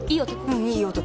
うんいい男。